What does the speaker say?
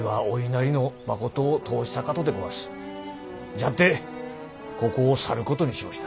じゃっでここを去ることにしもした。